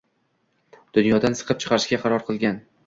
dunyodan siqib chiqarishga qaror qilgan